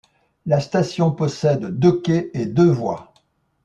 La station possède deux quais et deux voies.